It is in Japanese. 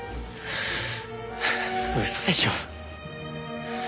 嘘でしょう？